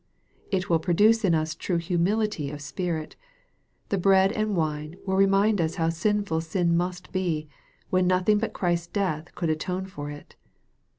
It will produce in us true humility of spirit. The bread and wine, will remind us how sinful sin must be, when nothing but Christ's death could atone for it.